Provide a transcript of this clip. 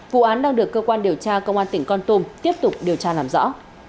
vụ án đang được cơ quan điều tra công an tỉnh con tum tiếp tục điều tra làm rõ